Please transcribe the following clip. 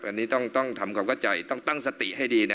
อันนี้ต้องทำความเข้าใจต้องตั้งสติให้ดีนะ